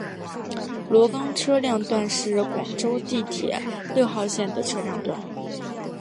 萝岗车辆段是广州地铁六号线的车辆段。